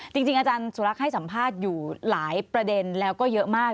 จริงอาจารย์สุรักษ์ให้สัมภาษณ์อยู่หลายประเด็นแล้วก็เยอะมาก